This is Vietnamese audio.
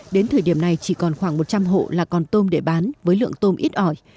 đến thời điểm này chỉ còn khoảng một trăm linh hộ là còn tôm để bán với lượng tôm ít ỏi